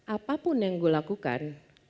apapun yang gue lakukan